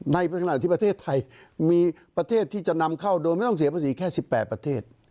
ในขณะที่ประเทศไทยมีประเทศที่จะนำเข้าโดยไม่ต้องเสียภาษีแค่๑๘ประเทศ